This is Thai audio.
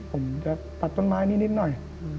ผมจะตัดต้นไม้นิดหน่อย